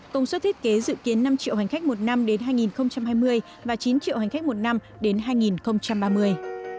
công suất thiết kế dự kiến năm triệu hành khách một năm đến hai nghìn hai mươi và chín triệu hành khách một năm đến hai nghìn ba mươi